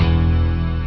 dengan t siapa